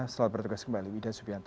selamat bertugas kembali